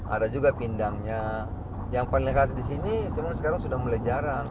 ada juga pindangnya yang paling keras disini cuma sekarang sudah mulai jarang